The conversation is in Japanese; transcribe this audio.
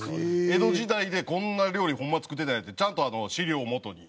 江戸時代でこんな料理ホンマに作ってたんやってちゃんと史料をもとに。